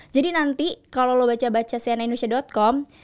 jadi nanti kalau lo baca baca cnn indonesia com